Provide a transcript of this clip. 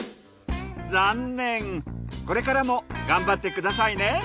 残念これからも頑張ってくださいね。